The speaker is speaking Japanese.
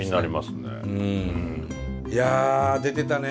いや出てたね